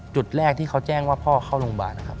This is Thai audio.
จุดแรกที่เขาแจ้งว่าพ่อเข้าโรงพยาบาลนะครับ